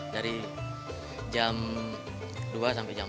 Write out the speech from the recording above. dari jam dua sampai jam tiga